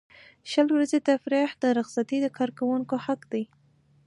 شل ورځې تفریحي رخصتۍ د کارکوونکي حق دی.